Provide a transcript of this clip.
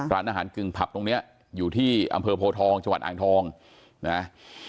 ร้านอาหารกึ่งผับตรงเนี้ยอยู่ที่อำเภอโพทองจังหวัดอ่างทองนะ